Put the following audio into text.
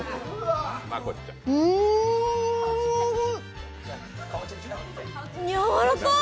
うん！やわらかっ！